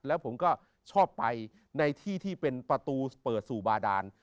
แล้วผมก็ชอบไปในที่ที่เป็นประตูเปิดสู่บาดาน